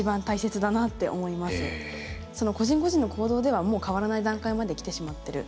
個人個人の行動ではもう変わらない段階まできてしまってる。